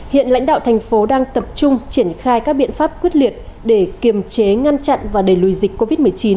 hiện lãnh đạo thành phố đang tập trung triển khai các biện pháp quyết liệt để kiềm chế ngăn chặn và đẩy lùi dịch covid một mươi chín